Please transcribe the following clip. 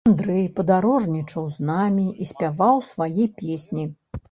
Андрэй падарожнічаў з намі і спяваў свае песні.